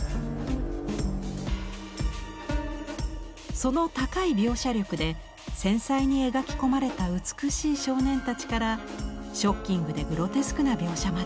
その高い描写力で繊細に描き込まれた美しい少年たちからショッキングでグロテスクな描写まで。